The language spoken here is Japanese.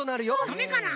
ダメかな。